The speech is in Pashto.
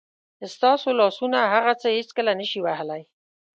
ستاسو لاسونه هغه څه هېڅکله نه شي وهلی.